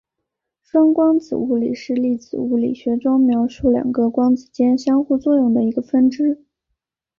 双光子物理是粒子物理学中描述两个光子间相互作用的一个分支。